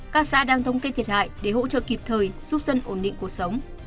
các xã đang thống kê thiệt hại để hỗ trợ kịp thời giúp dân ổn định cuộc sống